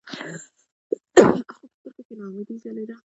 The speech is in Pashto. خو پۀ سترګو کښې ناامېدې ځلېده ـ